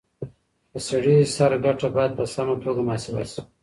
د سړي سر ګټه بايد په سمه توګه محاسبه سي.